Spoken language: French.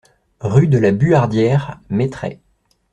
Rue de la Buhardière, Mettray